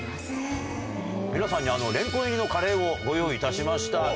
皆さんにれんこん入りのカレーをご用意いたしました。